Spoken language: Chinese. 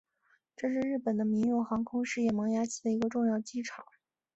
这是日本的民用航空事业萌芽期的一个重要机场。